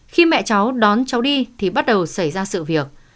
khi mẹ cháu đón cháu đi thì bắt đầu xảy ra sự việc